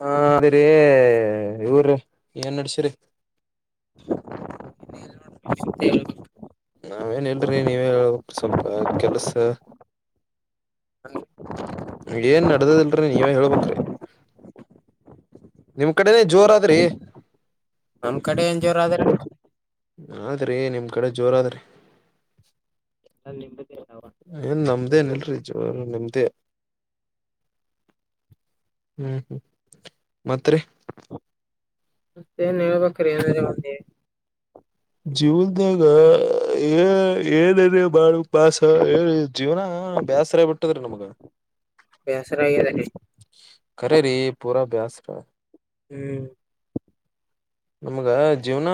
ಹಾ ಅದಿರಿೀ ಇವರ ಏನ್ ನಡ್ಸ್ರಿ [unintelligible] ನಾವೇನ್ ಇಲ್ರಿ ನೀವೇ ಹಬೇಕ ಸ್ವಲ್ಪ ಕೆಲ್ಸ ಏನ್ ನಡ್ದದಿಲ್ರರಿ ನೀವೇ ಹೇಳ್ಬ್ರಿ ನಿಮ್ ಕಡೆ ಜೋರದ್ರಿ ನಮ್ಮ್ ಕಡೆ ಏನ್ ಜೋರದ್ರೀ ಹೌದ್ರಿ ನಿಮ್ ಕಡೆ ಜೋರಾದ್ರಿ ನಾ ನಿಮ್ದ ಇಲ್ರಿ ಜೋರ್ [inaudible] ಹ್ಮ್ ಹ್ಮ್ ಮತ್ತ್ರೀ ಮತ್ತೇನ ಹೇಳ್ಬೇಕ್ರೀ ಏನರ ಒಂದೇ ಜೀವನ್ದಾಗ ಏ ಏನರ ಮಾಡ್ಬೇಕ ಬಾಸ ಏ ಜೀವ್ನ ನಾ ಬ್ಯಾಸರಾಗ್ಬಿಟ್ಟದ್ರೀ ನಮ್ಗ ಬ್ಯಾಸ್ರಾಗೇದರಿ ಖರೇರೀ ಪೂರ ಬ್ಯಾಸರ ಹ್ಮ ನಮಗ ಜೀವನ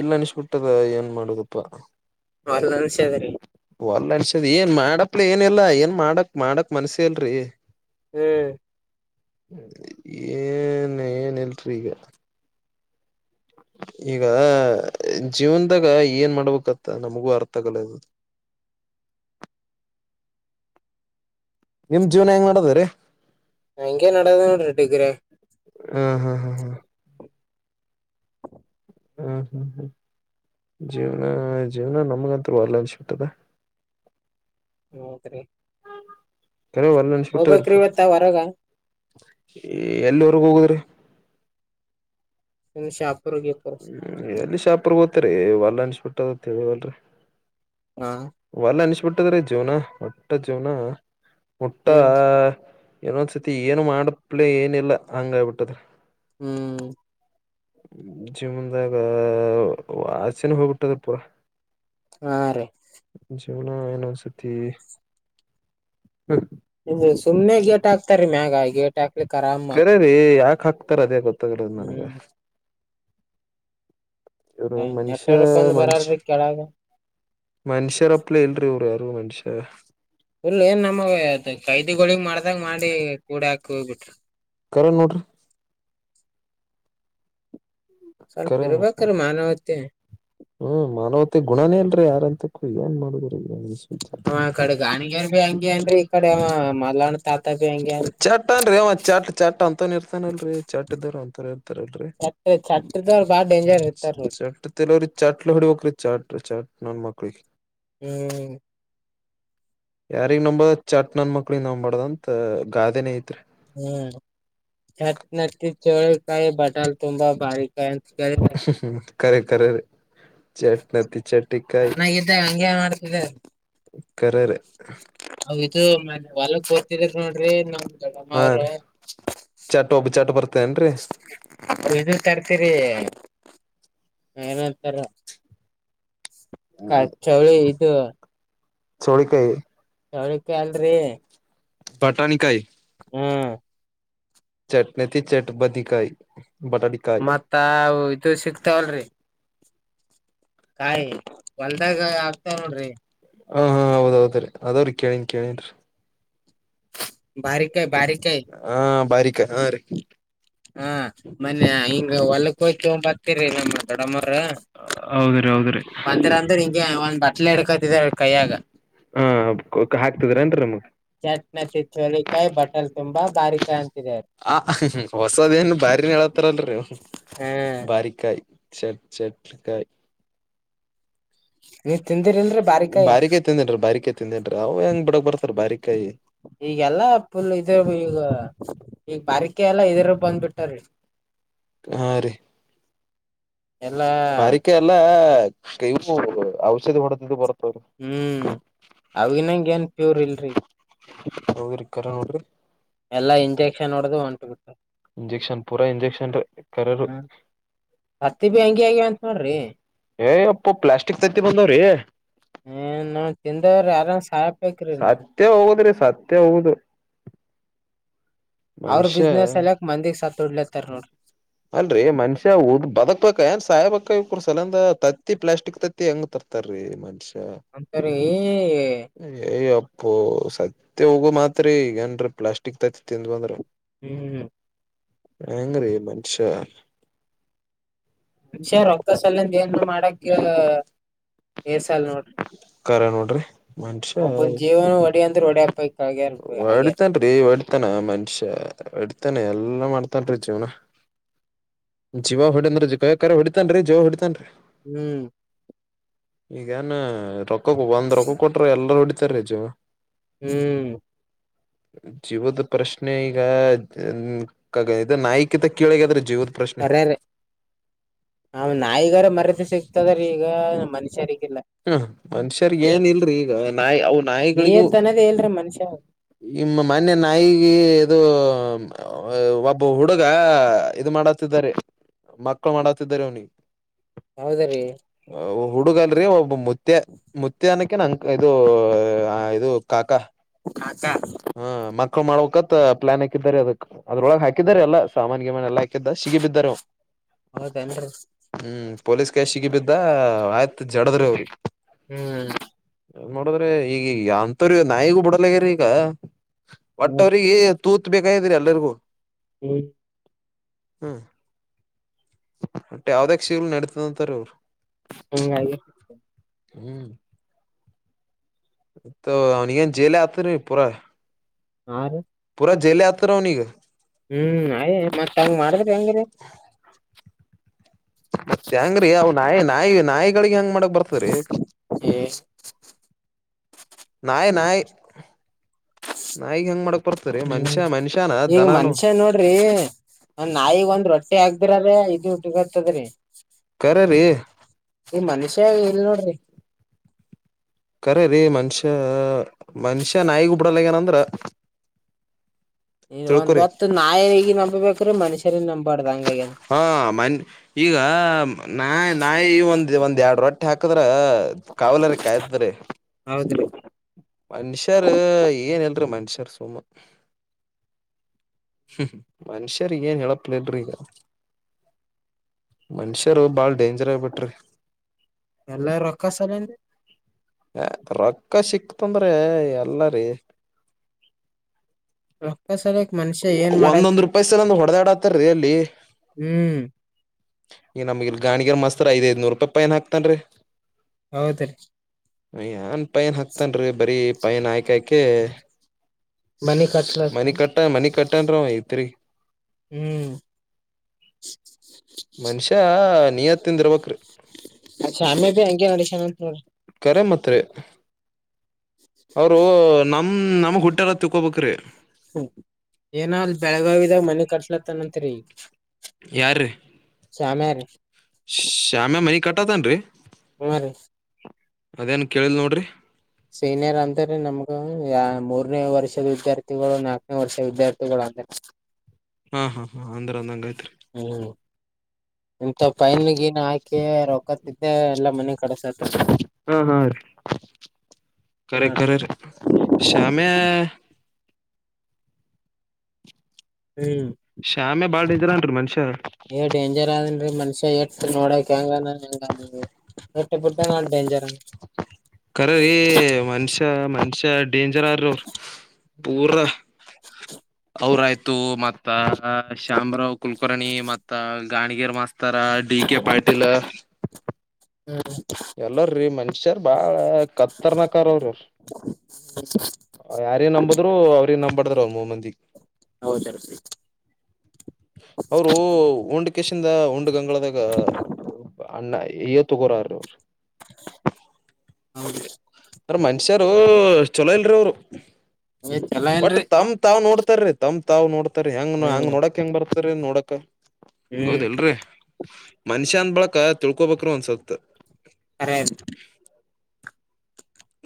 ಇಲ್ಲ ಅನಿಸಬಿಟ್ಟದ ಏನ್ ಮಾಡುದಪ್ಪ ಹೊಲ್ ಅನ್ಸ್ಯದ್ರಿ ಒಲ್ಲನ್ ಷದ ಏನ್ ಮಾಡಪ್ಲ ಏನ ಇಲ್ಲಾ ಏನ್ ಮಾಡಕ್ ಮಾಡಕ್ ಮನ್ಸೇ ಇಲ್ರಿ ಹ್ಮ ಹ್ಮ್ ಏನ್ ಏನ್ ಇಲ್ರೀಗ ಈಗ ಜೀವನ್ದಾಗ ಏನ್ ಮಾಡ್ಬೇಕತ್ತ ನಮಗೂ ಅರ್ಥ ಆಗಲ್ಲಾಗ್ಯಾದ [inaudible] ನಿಮ್ ಜೀವನ ಹೆಂಗ್ ನಡ್ದದ ರೀ ಹಂಗೆ ನಡದ ನೋಡ್ರಿ ಡಿಗ್ರಿ ಹಾ ಹಾ ಹಾ ಹಾ ಹ್ಮ ಹ್ಮ ಹ್ಮ್ ಜೀವ್ನ ಜೀವ್ನ ನಮಗಂತ್ರು ಅಲ್ಲ ಅನ್ಸಿಬಿಟ್ಟದ ಹೌದ್ರೀ ಕೆಲವಲ್ಲನ್ಷ ಬಿಟ್ಟದ್ರೀಪಾ ಹೊರಗ ಎಲ್ಲ ಹೊರ್ಗ ಹೋಗುದ್ರೀ ನಿಮ್ ಶಾಪುರ್ ಗೀಪುರ್ ಎಲ್ಲಿ ಶಾಪೂರ ತ್ರೀ ಒಲ್ಲ ಅನ್ಸಿಬಿಟ್ಟದ ತಿಳಿವಲ್ ರೀ ಹಾ ವಲ್ಲ ಅನ್ಸಿಬಿಟ್ ಟ್ಟದ್ರ ಜೀವನ ಒಟ್ಟ ಜೀವನ ಒಟ್ಟ ಹ್ಮ್ ಏನೊಂದ್ಸತಿ ಏನು ಮಾಡಪ್ಲೆ ಏನಿಲ್ಲ ಹಂಗ ಆಗ್ಬಿಟ್ಟದ ಹ್ಮ್ ಜೀವನ್ದಾಗ ಆಸೆನ ಹೋಗಿಬಿಟ್ಟದಪ ಹಾ ರೀ ಜೀವನ ಏನೊಂದ್ಸತಿ ಇದು ಸುಮ್ನೆ ಗೇಟ್ ಹಾಕ್ತಾರಿ ಮ್ಯಾಗ ಗೇಟ್ ಹಾಕ್ಲಿಕ್ ಆರಾಮ್ ಖರೇರೀ ಯಾಕ್ ಹಾಕ್ ತಾರ ಅದೇ ಗೊತ್ತೋಗಲ್ರೀ ನನ್ಗ ಹ್ಮ್ ಇವರು ಮನುಷ್ಯ ನೆಟ್ವರ್ಕ್ ಒಂದ್ ಮಷ ಬರಲ್ರಿ ಕೆಳಗ ಮನುಷ್ಯರಪ್ಲ ಇಲ್ರಿ ಇವರು ಯಾ ರು ಮನುಷ್ಯ ಉಲ್ಲ ಏನ್ ನಮಗ ಖೈದಿಗಳಿಗ್ ಮಾಡ್ದಾಗ ಮಾಡಿ ಕೂಡ ಹಾಕಿ ಹೋಗ್ ಬಿಟ್ರ ಕರೆ ನೋಡ್ರಿ ಸ್ವಲ್ಪ ಕರೆ ಇರ್ಬೇಕ್ರಿ ಮಾನವತೆ ಹ್ಮ ಮಾನವತೆ ಗುಣನೇ ಅಲ್ರೀ ಯಾರಂ ಕು ಏನ್ ಮಾಡೋದು ಅವ ಆ ಕಡೆ ಗಾಣಿಗ್ಯಾರ್ ಬಿ ಹಂಗೆ ಅನ್ರಿ ಈ ಕಡೆ ಅವ ಮಲ್ಲಣ್ಣ ತಾತ ಬಿ ಹಂಗೆ [unintelligible] ಅನ್ರಿ ಚಟ್ಟಾನ್ರೀ ಅವಾ ಚಟ್ ಚಟ್ ಅಂತಾನ ಇರ್ತಾನಲ್ರೀ ಚಟ್ ಇದಾರ ಅಂತರೆ ಇರ್ತಾರಲ್ರೀ ಚಟ್ ಚಟ್ ಚಟ್ರದವ್ರು ಬಾಳ ಡೇಂಜರ್ ಇರ್ತಾರ ನೋಡ್ರಿ ಅವ್ರೀ ಚಟ್ಲ ಹೊಡಿಬೇಕ್ರೀ ಚಟ್ ಚಟ್ ನನ್ ಮಕ್ಳಿಗೆ ಹ್ಮ್ ಯಾರಿಗ್ ನಂಬರ್ದ ಚಟ್ ನನ್ ಮಕ್ಳೀಗ್ ನಂಬಬಾರ್ದಂತ ಗಾಾದೆನೇ ಐತ್ರಿ ಹ್ಮ್ ಚಟ್ ನಟ್ಟಿ ಚೋಳಿಕಾಯಿ ಬಟಾಲ್ ತುಂಬಾ ಬಾರಿಕಾಯಿ ಅಂತ ಕೇಳಿ [unintelligible] ಖರೆ ಖರೆ ರೀ ಚಟ್ನತಿ ಚಟ್ಟೀ ಕಾಯ್ ಸಣ್ಣಾಗಿದ್ದಾಗ ಹಂಗೆ ಮಾಡ್ತಿದ್ದೆ ಕರೇರೀ ಅವ್ ಇದು ಹೊಲಕ್ ಹೋಗ್ತಿದ್ರ ನೋಡ್ರಿ ನಮ್ [unintelligible] ದೊಡ್ಡಮ್ಮ ಹಾ ಅವ್ರು ರೀ ಚಟ್ ಒಬ್ಬ ಚಟ್ ಬರ್ತೇನ್ರಿ ಅನತರ ಚೋಳ ಕಾಯ ಹಳಕ್ಕೆ ಅಲ್ರರಿ ಬಟಾಣಿ ಕಾಯ ಹ್ಮ್ ಚಟ್ನತಿ ಚಟ್ ಬಧಿಕಾಯ ಬಟಾಟಿಕ ಮತ್ತ ಅವು ಇದು ಕಾಯ ಹ ಹಾ ಹೌದ್ದ್ರೀ ಅದಾವ್ರಿ ಕೇಳನ್ ಕೇಳನ್ರಿ ಬಕ ಬಾರಿಕಾಯಿ ಬಾರಕ ಬಾರಿಕಾಯಿ ಹಾ ಬಾರಿಕ ಹಾ ರೀ ಹಾ ಮನ್ನೆ ಹಿಂಗ ಹೊಲಕ್ ಹೋಗಿ ತಗೊಂಡ್ ಬರ್ತಿರಿ ನಮ್ಮ ದೊಡ್ಡಮ್ಮವ್ರ ಹೌದ್ರೀ ಹೌದ್ರ ಬಂದ್ರ ಅಂದ್ರ ಅಂದ್ರೆ ಹಿಂಗೆ ಹಿಂಗಗೆ ಒಂದ್ ಬಟ್ಲೆ ಹಿಡ್ಕತಿದಾರ ಎಡಕತ ಕೈಯ ಕೈಯಾಗ ಹಾ ಹಾಕ್ತಿದ್ರ ಅನ್ರಿ ನಮಗ್ ಚಟ್ನತಿ ಚೋಳಿಕಾಯಿ ಬಟಲ್ ತುಂಬಾ ಬಾರಿಕಾಯಿ ಅಂತಿದಾರ [unintelligible] ಹೊಸದ ಏನ್ ಬಾರಿನ ಹೇಳತ್ತಾರಲ್ರಿ ಹಾ ಬಾರಕಾಯ್ ಚಟ್ ಚೆಟ್ಕಾಯ್ ನೀವ್ ತಿಂದಿರಿಲ್ರಿ ಬಾರಿಕಾಯಿ ತಿಂದೇನ್ರರಿ ಬಾರಿಕಾಯಿ ತಿಂದೇನ್ರೀ ಅವ್ ಹೆಂಗ ಬಿಡಕ್ ಬರ್ತಾರ ಬಾರಿಕಾಯಿ ಈಗೆಲ್ಲಾ ಫುಲ್ ಇದ್ರ ಈಗ ಈಗ ಬಾರಕೆ ಎಲ್ಲಾ ಇದರು ಬಂದ್ಬಿಟ್ಟಾರೀ ಹಾ ರೀ ಎಲ್ಲ [unintelligible] ಕ ಔಷಧಿ ಹೊಡತು ಬರ್ತ ಹ್ಮ್ ಅವಿನಂಗ ಏನ್ ಪ್ಯೂರ್ ಇಲ್ರಿ ಹೋಗಿರ್ಕಾರೆ ನೋಡ್ರಿ ಎಲ್ಲಾ ಇಂಜೆಕ್ಷನ್ ಹೊಡ್ದು ಹೊಂಟ್ ಬಿಟ್ಟಾರ ಇಂಜೆಕ್ಷನ್ ಪೂರಾ ಇಂಜೆಕ್ಷನ್ ಕರು ಹ್ಮ್ ಹತ್ತಿ ಬಿ ಹಂಗೆ ಆಗ್ಯಾವ ಅಂತ ನೋಡ್ರಿ ಏಯ ಅಪ್ಪು ಪ್ಲಾಸ್ಟಿಕ್ ತತ್ತಿ ಬಂದವ್ರೀ ಏನ್ ನಾವ್ ತಿಂದವ್ರ ಯಾರನ್ ಸಾಯ್ಬೇಕ್ರಿ ನಾವ್ ಸತ್ಯ ಹೋಗದ್ರೀ ಸತ್ಯ ಹೋಗುದ ಅವ್ರ ಮನುಷ್ಯ ಬಿಸ್ನೆಸ್ ಸಲಕ್ ಮಂದಿಗ್ ಸತ್ ಹೊಡ್ಲತ್ತಾರ ಶಾಸ ನೋಡ್ರಿ ಅಲ್ ರೀ ಮನುಷ್ಯ ಉದ್ ಬದಕ್ ಬಏನ್ ಸಾಯಬೇಕ ಸಲಂದ ತತ್ತಿ ಪ್ಲಾಸ್ಟಿಕ್ ತತ್ತಿ ಹೆಂಗ್ ತರ್ತಾರೀ ಮನ್ಷಿ ಅಂತವ್ರಿ ಎ ಪೋ ಸತ್ತ ಹೋಗ ಮಾತ್ರ ಈಗಏನ್ ಪ್ಲಾಸ್ಟಿಕ್ ತತ್ತತಿಂದ್ ಬಂದ್ರ ಹ್ಮ್ ಭಯಂಗ್ರೀ ಮನುಷ್ಯ ಅಕ್ಷಾ ರಕ್ತ ಸಲಂದ ಏನರು ಮಾಡಕ [unintelligible] ಕರ ನೋಡ್ರಿ ಮನುಷ್ಯ ಒಬ್ಬನ್ ಜೀವನ ಒಡಿ ಅಂದ್ರ ಒಡ್ಯಪ್ಪ ಆಗ್ಯಾರ ಆಗ್ಯಾರ ಹೊಡ್ತನ್ ರೀ ಹೊಡ್ತಾನ ಮನುಷ್ಯ ಹೊಡ್ತಾನ ಎಲ್ಲಾ ಮಾಡ್ತಾರನ್ ಜೀವನ ಜೀವ ಹೊಡನ್ ಗಯಕ ಹೊಡಿತನ್ ಜೀವ ಹೊಡಿತನ್ ಹ್ಮ್ ಈಗನ್ ರೊಕ್ಕ ಒಂದ್ ರೊಕ್ಕ ಕೊಟ್ರ ಎಲ್ಲರ ಹೊಡಿತಾರ ರಜು ಹ್ಮ್ ಜೀವದ ಪ್ರಶ್ನೆ ಈಗ ಕ ಇದ ನಾಯಕಿತ ಕಳಗದ್ರೆ ಜೀವದ ಪ್ರಶ್ನೆ ಕರ್ಯಾರಿ ಅವ್ ನಾಯಿಗಾರ ಮರ್ಯಾದೆ ಸಿಗ್ತದ್ರೀ ಈಗ ಮನುಷ್ಯರಿಗಿಲ್ಲ ಮನುಷ್ಯರ್ಗ ಏನ್ಲ್ ಈಗ ನ ನಾಯಿಗ ನೀಯತ್ ಅನ್ನೋದೇ ಇಲ್ರಿ ಮನುಷ್ಯ ನಿಮ್ಮ ಮನ್ಯ ನಾಯಿಗೆ ಇದು ಒಬ್ಬ ಹುಡುಗ ಇದು ಮಾಡತಿದ್ದಾರೆ ಮಕ್ಕಳು ಮಾಡತಿದಾರ ಅವ್ನಿ ಹೌದ್ರಿ ಹುಡುಗ ಅಲ್ರಿ ಒಬ್ಬ ಮತ್ಯ ಮುತ್ಯನಕ್ಕೆ ನಂ ಇದು ಇದು ಕಾಕಾ ಕಾಕ ಹ ಮಕ್ಳು ಮಾಡ್ಬೇಕಕತ್ತ ಪ್ಲಾನ್ ಹಾಕಿದಿದ್ದಾರೆ ಅದಕ್ ಅದ್ರೊಳಗ ಹಾಕಿದಾರ ಅಲ್ಲ ಸಾಮಾನ್ ಗಿಮನ್ ಎಲ್ಲ ಹಾಕಿದ್ದ ಸಿಗಿ ಬಿದ್ದರು ಹೌದೇನ್ರಿ ಹ್ಮ್ ಪೊಲೀಸ್ ಕಾಯ ಸಿಗಿ ಬಿದ್ದ ಆಯ್ತು ಹ್ಮ್ ನ್ ನೋಡದ್ರೆ ಈಗಗ ಅಂತವ್ರ ನಾಯಿಗೂ ಬಿಡಲಗ್ಯಾರ ಈಗ ಬಟ್ ಹ್ಮ್ ಅವ್ರಿಗೆ ತೂತ್ ಬೇಕಾಯಾದ್ರರಿ ಎಲ್ಲರಿಗೂ ಹ ಹ್ಮ್ ಮತ್ತೆ ಯಾವ್ದೇ ಕಷೀಲ್ ನಡತದಂತಾರ ಅವ್ರು ಹಂ ಹಾಗ ಹ್ಮ್ ತ್ತ ಅವ್ನಿಗನ್ ಜೇಲ ಆತೀ ಪೂರಾ ಹಾ ರೀ ಪೂಾ ಜೇಲ ಆತರ ನೀಗೆ ಹ್ಮ್ ಏ ಅಯ್ ಮತ್ ಮತ್ತಂಗ ಹಂಗ್ ಮಾಡುದು ಮಾಡಿದ್ರ ಹೆಂಗ್ರೀ ಹೆಂಗ ಮತ್ತೆ ಹೆಂಗ್ರೀ ಅ ನಾಯಿ ನಾಯಿ ನಾಯಿಗಳಿಗೆ ಹೆಂಗ್ ಮಾಡಕ್ ಬರ್ತ್ರರಿ ನಾಯ ನಾಯ ಹ್ಮ್ ಮನುಷ್ಯನ ಈಗ ದನಾನು ಮನುಷ್ಯ ನೋಡ್ರಿ ನಾಯಿಗ್ ಒಂದ್ ರೊಟ್ಟಿ ಹಾದ್ರ್ರ ಇದುಟ್ಟಗತದ್ರೀ ಕರ ರೀ ಇಲ್ ನೋಡ್ರಿ ಕರ್ರೀ ಮನುಷ್ಯ ಮನುಷ್ಯ ನಾಯಿಗ ಬಿಡಲ್ಲ ಏನಂದ್ರ ಈ ಚಳಕ ಒಂದ್ ಹೊತ್ತು ನಾಯಿಗಿ ನಂಬಬೇಕ್ರಿ ಮನುಷ್ಯರಿ ನಂಬಾರ್ದ ಹಂಗಾಗ್ಯದ ಹಾ ಈಗ ನಾ ನಾಯಿ ಒಂದ ಒಂದ್ ಎರಡು ರೊಟ್ಟಿ ಹಾಕದ್ರ ಕಾವಲಾರ ಕಾಯ್ತೀ ಹೌದ್ರೀ ಮನುಷ್ಯಾರ ಏನ್ಲ್ರೀ ಮನುಷ್ಯಾರ್ ಸುಮ್ಮ ಹ್ಮ ಮನುಷ್ಯರ್ಗಏನ್ ಹೇಳಪ್ಲಲ್ರಿಿ ಈಗ ಮನುಷ್ಯರು ಬಾಳ ಡೇಂಜರ್ ಆಗ್ಬಿಟ್ರಿ ಎಲ್ಲು ರೊಕ್ಕ ಸಲ್ಲಿ ಹ ರೊಕ್ಕ ಸಿಕ್ತಂದ್ರೆ ಎಲ್ಲರಿೀ ರೊಕ್ಕ ಸಲಕ್ ಮನುಷ್ಯ ಏನ್ ಮಾಡಕ್ ಒಂದೊಂದ್ ರೂಪಾಯಿ ಸಲ ಒಂದ ಹೊಡೆದಾಡ ಆತಾರೀ ಅಲ್ಲಿ ಹ್ಮ್ ಈ ನಮ್ಗ ಗಾಣಿಗರ ಮಸ್ರ್ ಐದ್ ದ್ನೂರು ರೂಪಾಯಿ ಪೈನ್ ಹಾಕ್ತನ್ೀ ಹೌದ ರೀ ಏನ್ ಪೈನ್ ಹಾಕ್ತನ್ರಿ ಬರೀ ಪೈನ್ ಆಯಕ ಆಯಕ ಮನಿ ಕಟ್ಲಕ್ಕ ಮನಿ ಕಟ್ಟ ಮನಿ ಕಟ್ಟನ್ರ ಐತ್ರಿ ಹ್ಮ್ ಮನುಷ್ಯ ನಿಯತ್ತಿಂದ ಇರ್ಬಕ್ಿ ಶಾಮೆ ಬಿ ಹಂಗೆ ನಡಸ್ಯನಂತ್ ನೋಡ್ರಿ ಮತ್ತೆ ಅವರು ನ ಹ್ಮ ನಮಗ್ ಹುಟ್ಟೆಲ್ಲ ತಿಕ್ಕೋಬೇಕ್ರಿ ಏನ ಅ ಬೆಳಗಾವಿದ ಮನಿ ಕಟ್ಸ್ಲತ್ತನತ್ರಿ ಯಾರು ಶ್ಯಾಮ್ಯಾ ಮೈ ಕಟ್ಟತನ್ರಿ ಹ್ಮ ರೀ ಅದೇನ್ ಕೇಳಲ್ ನೋಡ್ರಿ ಸೀನಿಯರ್ ಅಂತ್ರೆ ನಮ್ಗ ಯ ಮೂರನೇ ವರ್ಷದ ವಿದ್ಯಾರ್ಥಿಗಳು ನಾಲ್ಕನೇ ವರ್ಷ ವಿದ್ಯಾರ್ಥಿ ಹಾ ಹಾ ಹಾ ಅಂದ್ರ ಅಂದಂಗ ಆಯ್ತ್ರಿ ಹ್ಮ್ ಇಂತ ಫೈನ್ ಗೀನ್ ಹಾಕಿ ರೊಕ್ಕ ತಿದ್ದೆ ಎಲ್ಲಾ ಮನಿ ಕಡಸತ್ ಹಾ ಹಾ ನೋಡ್ರಿ ಕರೆಖರ ಶಾಮೆ ಹ್ಮ್ ಶ್ಯಾಮೆ ಬಾಳ ನಿಜ್ರಂನ್ರಿ ಮನುಷ್ಯ ಏ ಡೇಂಜರ್ ಅದನ್ೀ ಮನುಷ್ಯ ಎ ನೋಡಕ್ ಹೆಂಗ ಹೆಂಗಟ್ಟ ಬಿಟ್ಟ ನ ಹಜರ ಕರ್ರೀ ಮನುಷ್ಯ ಮನುಷ್ಯ ಡೇಂಜರ್ ಆ ಅವ್ರ ಪೂರ ಅವ್ರಾಯ್ತು ಮತ್ ಮತ್ತ ಶಾಮರಾವ್ ಕುಲಕರ್ಣಿ ಮತ್ತ ಗಾಣಗಿರ್ ಮಾಸ್ತರ ಡಿ ಕೆ ಪಾಟೀಲ್ [unintelligible] ಹ್ಮ್ ಎಲ್ಲರ್ರೀ ಮನ್ಷ್ಯಾರ್ ಬಾಳ ಕತ್ತರ್ನಕಾರ ಅವ್ರಿ್ರ ಯಾರ ನಂಬುದ್ರು ಅವ್ರಿಗೆ ನಂಬಬಾರ್ದ್ರ ಅವ ಮೂ್ ಮಂದಿಗ್ ಹೌದರ ಅವರು ಉಂಡಕೇಶಿಂದ ಉಂಡು ಗಂಗಳದಾಗ ಅಣ್ಣ ಇ ತಗರಾರರು ಹೌದು ಅ್ರ ಮನ್ಷ್ಯಾರ ಚೊಲೋ ಇಲ್ರಿ ಅವರು ಏ ಚಲೋ ಬಟ್ ಇಲ್ರಿ ತಮ್ ಹ್ಮ್ ತಾವ್ ನೋಡ್ತಾರೀ ತಮ್ ತಾವ್ ನೋಡ್ತಾರರಿ ಹೆಂಗ ಹಂಗ್ ನೋಡಕ್ ಹೆಂಗ ಬರ್ತಾರ ನೋಡಕ್ ಹ್ಮ್ ಹೌದಲ್ರರಿ ಮನ್ಷ್ಯ ಅಂದ ಬಳಕ ತಿಳ್ಕೋಬೇಕ್ರರು ಅನ್ಸತ್ ಪೇಂ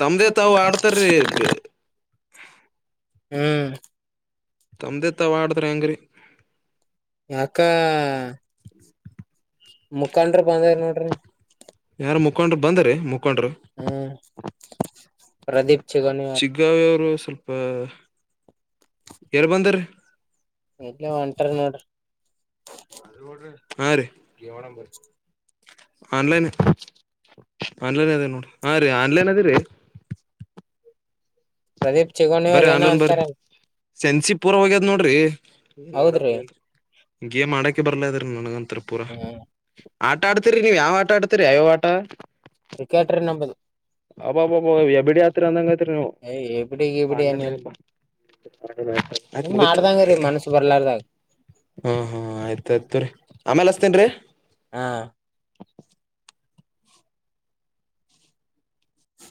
ತಮ್ದೇ ತಾಾವ ಆಡ್ತಾರೀ ಹ್ಮ್ ತಮ್ಮ್ದೆತ್ತ ಆಡದ್ರ ಹೆಂಗರಿೀ ಯಾಕ ಮುಖಂಡ್ರ ಬಂದ ನೋಡ್ರಿ ಯಾರ ಮುಖಂಡ್ರರು ಬಂದ್ರ ಮು ಹ್ಮ್ ಪ್ರದೀಪ್ ಚಗನವಾರ ವರು ಸ್ವಲ್ಪ ಯಾರ್ ಬಂದಾರೀ ಎಟ್ಲ ಒಂಟಾರ ನೋಡ ಹಾ ರೀ ಆನ್ಲೈನ್ ಆನ್ಲೈನ್ ಅದ ನೋಡಿ ಹಾ ರೀ ಆನ್ಲೈನ್ ಅದೇ ರೀ ಪ್ರದೀಪ್ ಚಿಗೋಣಿ ಬರ ಅವ್ರ ಏನ ಅಲನ್ ಬರ ಅಂತಾರ ಸೆನ್ಸಿ ಪೂರ ಹೋಗ್ಯದ ನೋಡ್ರಿ ಹೌದ್ರಿ ಗೇಮ್ ಆಡಕೆ ಬರ್ಲಾ ಇದ್ರೀ ನನ್ಗಂತರ ಪೂರ ಹ್ಮ್ ಆಟ ಆಡ್ತರಿ ನೀವ್ ಯಾವ ಆಟ ಆಡ್ತಿ ರಿಯ ವಟಾ ಕ್ರಿಕೆಟರ್ ನಂಬದು ಅ ಅ ಎಬಡ ಯಾತ್ರ ಅಂದಂಗ ಹ ಪಲ ನ ಸುಮ್ ಹ್ಮ ಮಾಡ್ದಂಗ್ರೀ ಮನ್ಸ್ ಬರ್ಲಾರ್ದಾಗ ಹಾ ಆಯ್ತಾಯಯ್ತುರಿರಿ ಆಮೇಲ್ ಹಸ್ತೇನ್ೀ ಹಾ